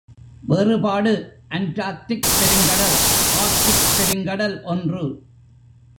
வேறுபாடு அண்டார்க்டிக் பெருங்கடல் ஆர்க்டிக் பெருங்கடல் ஒன்று.